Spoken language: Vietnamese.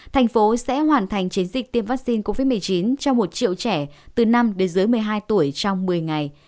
thành phố sẽ hoàn thành chiến dịch tiêm vaccine covid một mươi chín cho một triệu trẻ từ năm đến dưới một mươi hai tuổi trong một mươi ngày